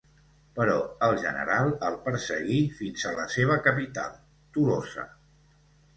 Però el general el perseguí fins a la seva capital, Tolosa.